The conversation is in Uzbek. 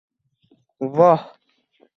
Voh